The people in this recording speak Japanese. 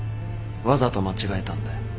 わざと間違えたんだよ。